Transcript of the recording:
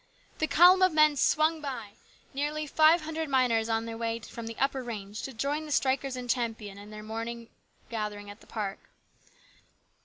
The column of men swung by, nearly five hundred miners on their way from the upper range to join the strikers in Champion in their regular morning gathering at the park.